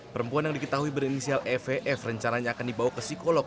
perempuan yang diketahui berinisial evf rencananya akan dibawa ke psikolog